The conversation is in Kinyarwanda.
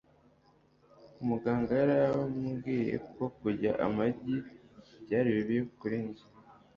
umuganga yambwiye ko kurya amagi byari bibi kuri njye